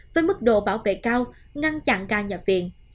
với mức độ bảo vệ cao ngăn chặn ca nhập viện